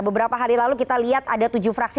beberapa hari lalu kita lihat ada tujuh fraksi